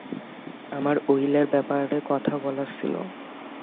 আমার উইলের ব্যাপারে কথা বলার ছিল।